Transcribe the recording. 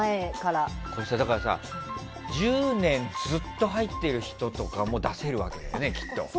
だからさ１０年ずっと入ってる人とかも出せるわけだよね、きっと。